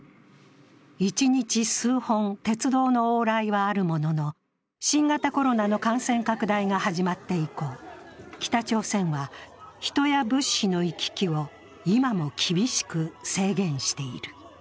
一日数本、鉄道の往来はあるものの、新型コロナの感染拡大が始まって以降、北朝鮮は人や物資の行き来を今も厳しく制限している。